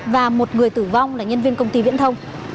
và một người tử vong là nhân viên công ty viễn thông